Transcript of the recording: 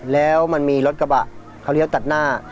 แล้วมันมีรถกระบะเขาเลี้ยวตัดหน้า